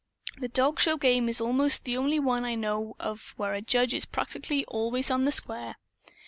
The dog show game is almost the only one I know of where a judge is practically always on the square.